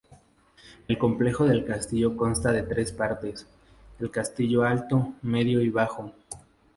El complejo del castillo consta de tres partes: El castillo alto, medio y bajo.